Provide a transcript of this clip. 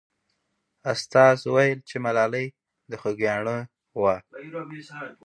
استاد وویل چې ملالۍ د خوګیاڼیو وه.